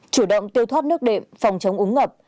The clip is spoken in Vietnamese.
chủ động tiêu thoát nước đệm phòng chống úng ngập